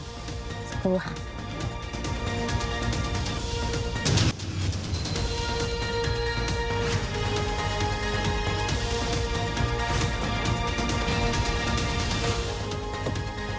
สักครู่ค่ะ